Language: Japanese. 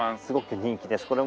すごく人気です。